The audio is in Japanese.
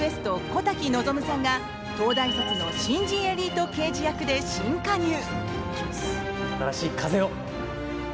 小瀧望さんが東大卒の新人エリート刑事役で新加入。